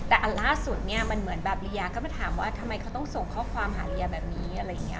อันล่าสุดไหนลียาก็มาถามว่าทำไมเส่งเขาเข้าความหาลียาแบบนี้